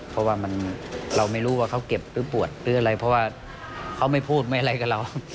เพราะว่าเราไม่รู้ว่าเขาเก็บหรือปวดหรืออะไรเพราะว่าเขาไม่พูดไม่อะไรกับเรา